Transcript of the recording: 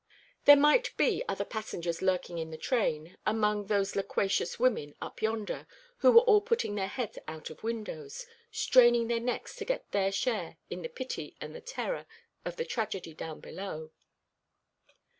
There might be other passengers lurking in the train, among those loquacious women up yonder, who were all putting their heads out of windows, straining their necks to get their share in the pity and the terror of the tragedy down below.